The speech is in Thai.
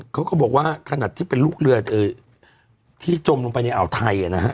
เขาก็บอกว่าขนาดที่เป็นลูกเรือที่จมลงไปในอ่าวไทยนะฮะ